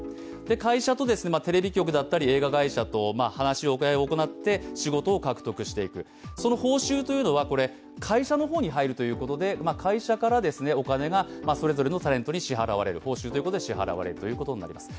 会社とテレビ局だったり映画会社と話し合いを行って仕事を獲得していく、その報酬というのは会社の方に入るということで、会社からお金がそれぞれのタレントに報酬ということで支払われるということになります。